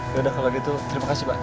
yaudah kalau begitu terima kasih pak